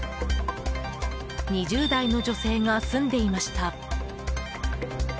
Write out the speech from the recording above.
２０代の女性が住んでいました。